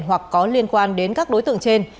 hoặc có liên quan đến các đối tượng trên